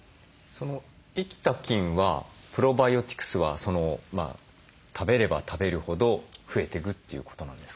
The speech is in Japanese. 生きた菌はプロバイオティクスは食べれば食べるほど増えていくということなんですか？